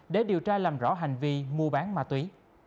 để điều tra làm rõ hành vi mua bán ma túy